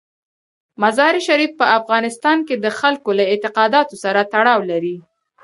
مزارشریف په افغانستان کې د خلکو له اعتقاداتو سره تړاو لري.